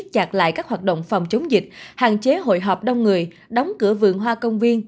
chặt lại các hoạt động phòng chống dịch hạn chế hội họp đông người đóng cửa vườn hoa công viên